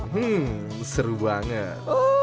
hmm seru banget